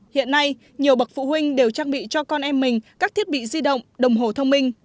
hiện nay nhiều bậc phụ huynh đều trang bị cho con em mình các thiết bị di động đồng hồ thông minh